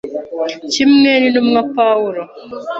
Kimwe n’intumwa Pawulo